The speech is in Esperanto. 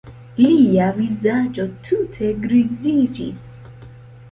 Lia vizaĝo tute griziĝis.